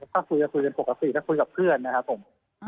ถ้าคุยกับคนเป็นปกติถ้าคุยกับเพื่อนนะครับผม